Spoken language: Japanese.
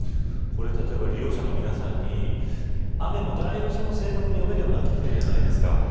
例えば、利用者の皆さんに雨も正確に読めるようになってるじゃないですか。